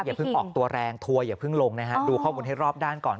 เพิ่งออกตัวแรงทัวร์อย่าเพิ่งลงนะฮะดูข้อมูลให้รอบด้านก่อน